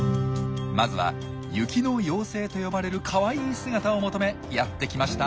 まずは「雪の妖精」と呼ばれるかわいい姿を求めやってきました